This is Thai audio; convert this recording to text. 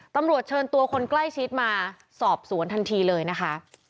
ตำรวจเชิญตัวคนใกล้ชิดมาสอบสวนทันทีเลยนะคะ